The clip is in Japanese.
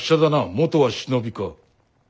元は忍びか？